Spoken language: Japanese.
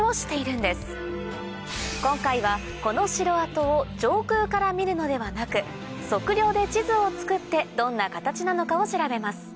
今回はこの城跡を上空から見るのではなく測量で地図を作ってどんな形なのかを調べます